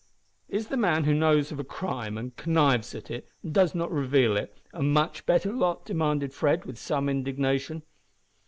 "Is the man who knows of a crime, and connives at it, and does not reveal it, a much better `lot'?" demanded Fred, with some indignation.